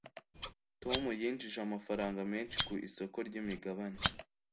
tom yinjije amafaranga menshi ku isoko ryimigabane